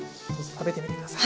食べてみて下さい。